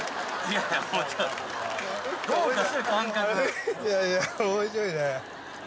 いやいや面白いね